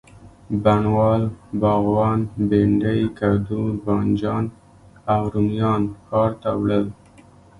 بڼوال، باغوانان، بینډۍ، کدو، بانجان او رومیان ښار ته وړل.